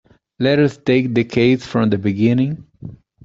Let us take the case from the beginning.